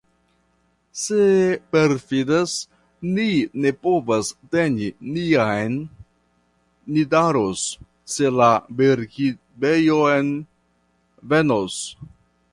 Se la perfidas, ni ne povos teni nin en Nidaros, se la Birkibejnoj venos.